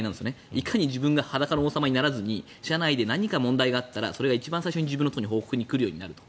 いかに自分が裸の王様にならずに社内で何か問題があったらそれが一番最初に自分のところに報告が来るようになると。